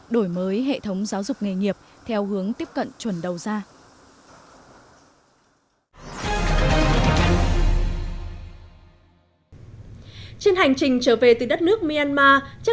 đổi mới hệ thống giáo dục nghề nghiệp theo hướng tiếp cận chuẩn đầu ra